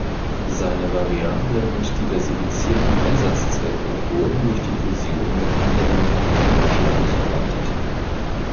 Seine variablen und diversifizierten Einsatzzwecke wurden durch die Fusion mit anderen Unternehmen ständig erweitert.